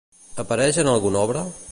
Apareix en alguna obra?